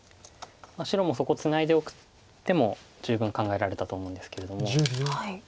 白もそこツナいでおく手も十分考えられたと思うんですけれども。